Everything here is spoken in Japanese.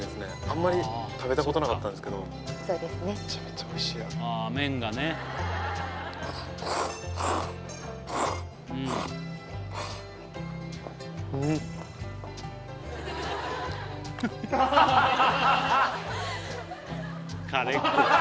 あんまり食べたことなかったんですけどそうですねめちゃめちゃおいしいバカみてえだな